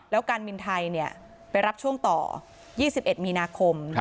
แล้วการบินไทยไปรับช่วงต่อ๒๑มีนาคม